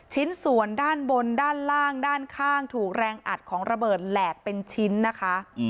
ชิ้นส่วนด้านบนด้านล่างด้านข้างถูกแรงอัดของระเบิดแหลกเป็นชิ้นนะคะ